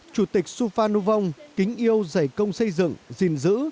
chủ tịch suphanuvong kính yêu giày công xây dựng dình dữ